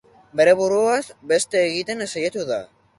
Bere buruaz beste egiten saiatu da.